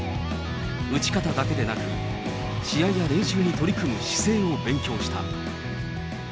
打ち方だけでなく、試合や練習に取り組む姿勢を勉強した。